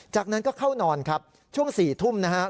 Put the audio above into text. จากนั้นก็เข้านอนครับช่วง๔ทุ่มนะครับ